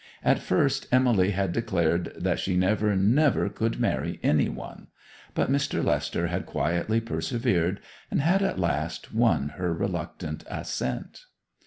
At first Emily had declared that she never, never could marry any one; but Mr. Lester had quietly persevered, and had at last won her reluctant assent.